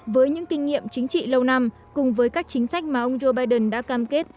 với những kinh nghiệm chính trị lâu năm cùng với các chính sách mà ông joe biden đã cam kết